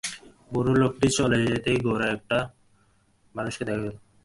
বুড়ো লোকটি চলে যেতেই রোগা একটা মানুষকে দেখা গেল।